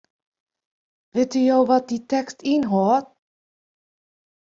Witte jo wat dy tekst ynhâldt?